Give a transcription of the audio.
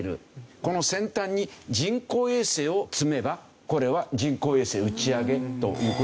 この先端に人工衛星を積めばこれは人工衛星打ち上げという事になるんですね。